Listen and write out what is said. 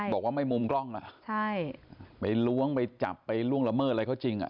บอกว่าไม่มุมกล้องอ่ะใช่ไปล้วงไปจับไปล่วงละเมิดอะไรเขาจริงอ่ะ